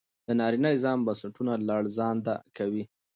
د نارينه نظام بنسټونه لړزانده کوي